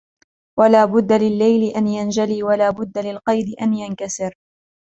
وَلَا بُدَّ لِلَّيْلِ أَنْ يَنْجَلِي وَلَا بُدَّ لِلْقَيْدِ أَنْ يَنْكَسِرْ